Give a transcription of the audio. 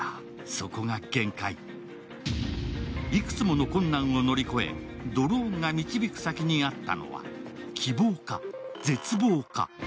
いくつもの困難を乗り越え、ドローンが導く先にあったのは、希望か絶望か。